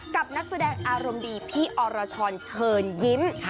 นักแสดงอารมณ์ดีพี่อรชรเชิญยิ้ม